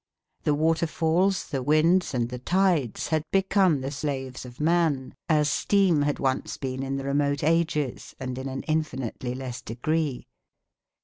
The waterfalls, the winds and the tides had become the slaves of man, as steam had once been in the remote ages and in an infinitely less degree.